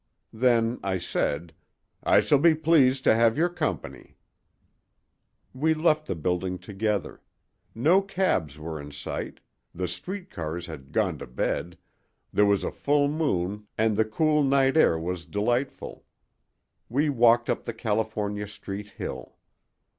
Then I said, "I shall be pleased to have your company." We left the building together. No cabs were in sight, the street cars had gone to bed, there was a full moon and the cool night air was delightful; we walked up the California street hill.